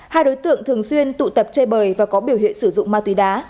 hai đối tượng thường xuyên tụ tập chơi bời và có biểu hiện sử dụng ma túy đá